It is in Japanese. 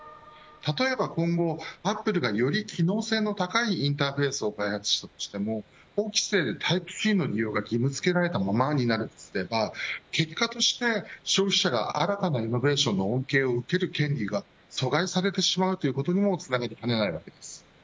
例えば今後、アップルが今後機能性の高いインターフェースを開発してもタイプＣの利用が義務付けられたままになれば結果として消費者が新たなイノベーションの恩恵を受ける権利が阻害されてしまうということにもつながりかねません。